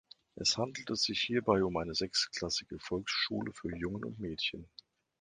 Es handelte sich hierbei um eine sechsklassige Volksschule für Jungen und Mädchen.